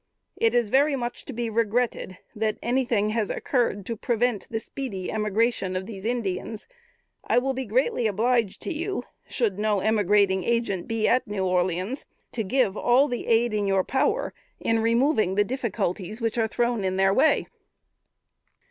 "It is very much to be regretted, that anything has occurred to prevent the speedy emigration of these Indians. I will be greatly obliged to you, should no emigrating agent be at New Orleans, to give all the aid in your power in removing the difficulties which are thrown in their way."